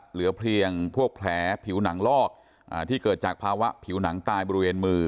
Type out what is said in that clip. เหลือเพียงพวกแผลผิวหนังลอกที่เกิดจากภาวะผิวหนังตายบริเวณมือ